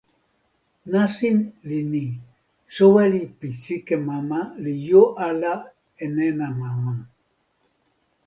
nasin li ni: soweli pi sike mama li jo ala e nena mama.